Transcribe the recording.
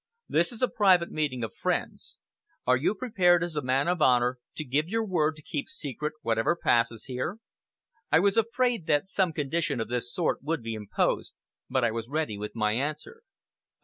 This is a private meeting of friends. Are you prepared, as a man of honor, to give your word to keep secret whatever passes here?" I was afraid that some condition of this sort would be imposed, but I was ready with my answer.